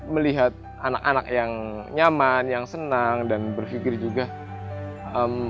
melihat anak anak yang nyaman yang senang dan berpikir juga